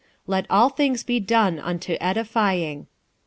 Let all things be done unto edifying.